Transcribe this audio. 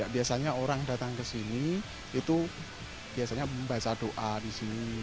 biasanya orang datang ke sini itu biasanya membaca doa di sini